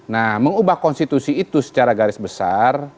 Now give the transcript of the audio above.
nah mengubah konstitusi itu secara garis besar